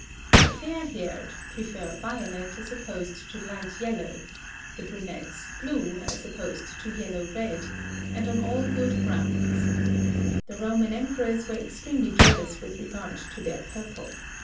The fair haired prefer violet, as opposed to light yellow, the brunettes, blue, as opposed to yellow red, and all on good grounds. The Roman emperors were extremely jealous with regard to their purple.